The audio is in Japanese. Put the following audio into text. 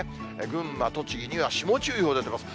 群馬、栃木には霜注意報出てます。